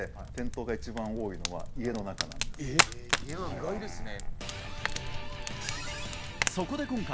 意外ですね